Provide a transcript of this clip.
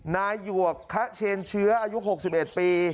นายวกขเชียญเชื้ออายุ๖๑ปี